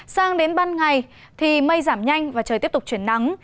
sang đến ban ngày thì mây giảm nhanh và trời tiếp tục chuyển nắng